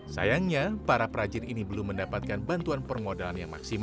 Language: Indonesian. sayangnya para perajin ini belum mencapai kebutuhan